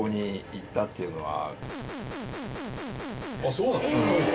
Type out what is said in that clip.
そうなの？